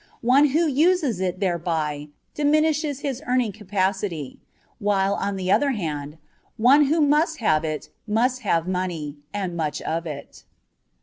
One who uses it thereby diminishes his earning capacity; while, on the other hand, one who must have it must have money, and much of it.